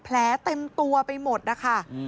แผลเต็มตัวไปหมดนะคะ